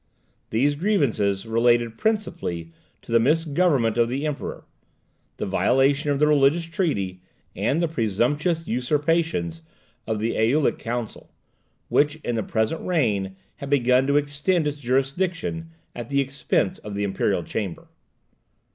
These grievances related principally to the misgovernment of the Emperor; the violation of the religious treaty, and the presumptuous usurpations of the Aulic Council, which in the present reign had begun to extend its jurisdiction at the expense of the Imperial Chamber.